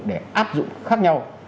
để áp dụng khác nhau